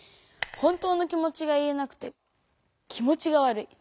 本当の気持ちが言えなくて気持ちが悪い。